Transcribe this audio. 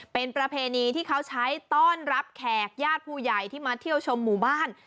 เป็นประเพณีที่เขาใช้ต้อนรับแขกญาติผู้ใหญ่ที่มาเที่ยวชมหมู่บ้าน